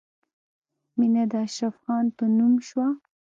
مینه د اشرف خان په نوم شوه